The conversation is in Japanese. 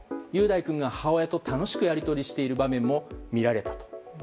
雄大君が母親と楽しくやり取りしている場面も見られたと。